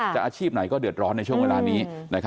อาชีพไหนก็เดือดร้อนในช่วงเวลานี้